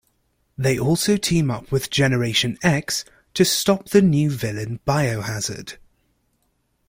They also team up with Generation X to stop the new villain Biohazard.